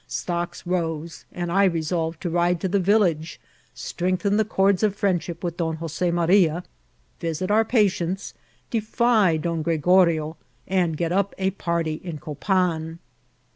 Stocks rose, and I resolved to ride to the village, strengthen the cords of friendship with Don Jose Maria, visit our patients, defy Don Gregorio, and get up a party in Copan.